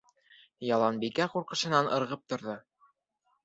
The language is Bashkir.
Яланбикә ҡурҡышынан ырғып торҙо.